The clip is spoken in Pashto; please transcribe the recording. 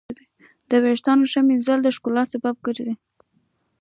د ویښتانو ښه ږمنځول د ښکلا سبب ګرځي.